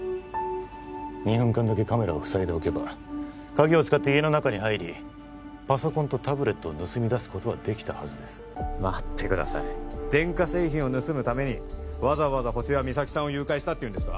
２分間だけカメラをふさいでおけば鍵を使って家の中に入りパソコンとタブレットを盗みだすことはできたはずです待ってください電化製品を盗むためにわざわざホシが実咲さんを誘拐したっていうんですか？